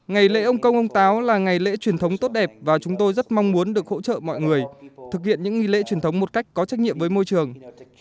ngày lễ ông công ông táo là ngày lễ truyền thống tốt đẹp và chúng tôi rất mong muốn được hỗ trợ mọi người thực hiện những nghi lễ truyền thống một cách có trách nhiệm với môi trường